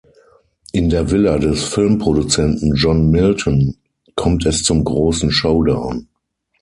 In der Villa des Filmproduzenten John Milton kommt es zum großen Showdown.